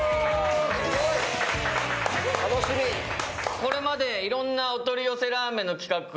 これまでいろんなお取り寄せラーメンの企画を